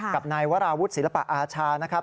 กับนายวราวุฒิศิลปะอาชานะครับ